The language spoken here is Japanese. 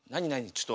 ちょっと。